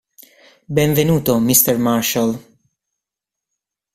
Benvenuto, Mister Marshall!